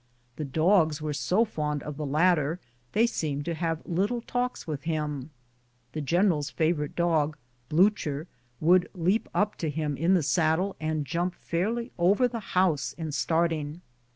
The dogs were so fond of the latter, they seemed to have little talks with him. The general's favorite dog, Bliicher, woidd leap up to him in the saddle, and jump fairly over the horse in starting.